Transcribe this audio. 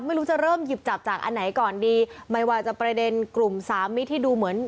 ไม่รู้จะเริ่มหยิบจับจากอันไหนก่อนดีไม่ว่าจะประเด็นกลุ่มสามมิตรที่ดูเหมือน